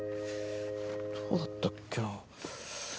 どうだったっけな？